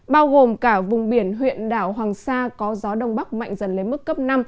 bao gồm cả vùng biển huyện đảo hoàng sa có gió đông bắc mạnh dần lên mức cấp năm